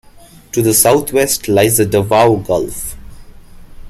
To the southwest lies the Davao Gulf.